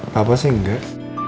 pa bosnya enggak